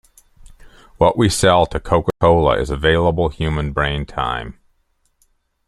What we sell to Coca-Cola is available human brain time.